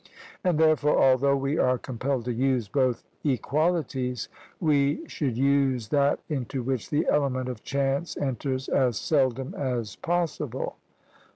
And therefore, although we are compelled to use both equalities, we should use that into which the element of chance enters as seldom as possible.